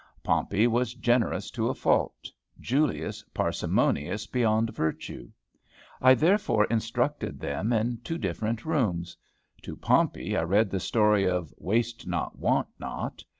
Pompey was generous to a fault; Julius, parsimonious beyond virtue. I therefore instructed them in two different rooms. To Pompey, I read the story of "Waste not, want not."